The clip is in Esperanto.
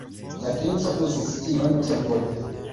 La princo uzis tiun tempon.